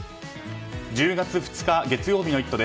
１０月２日月曜日の「イット！」